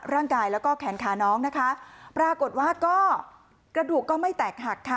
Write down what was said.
ร่างกายแล้วก็แขนขาน้องนะคะปรากฏว่าก็กระดูกก็ไม่แตกหักค่ะ